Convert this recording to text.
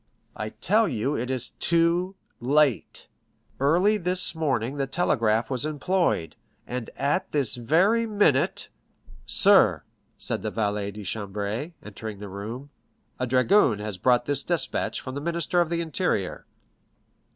"I tell you it is too late; early this morning the telegraph was employed, and at this very minute——" "Sir," said the valet de chambre, entering the room, "a dragoon has brought this despatch from the Minister of the Interior."